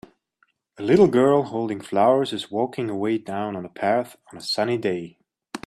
A little girl holding flowers is walking away down a path on a sunny day.